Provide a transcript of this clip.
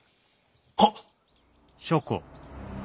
はっ。